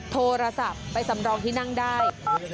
โทรศัพท์ไปสำรองที่นั่งได้๐๖๒๙๕๐๘๖๒๔